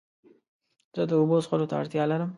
زه د اوبو څښلو ته اړتیا لرم.